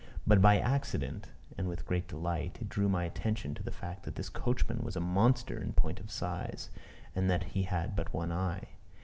But by accident, and with great delight, it drew my attention to the fact that this coachman was a monster in point of size, and that he had but one eye.